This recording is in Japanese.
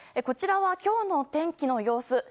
こちらは今日の天気の様子。